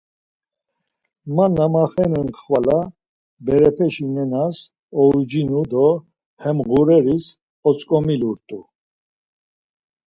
Mati na maxenen xvala; berepeşi nenas oucinu do hem ğureris otzǩomilurt̆u.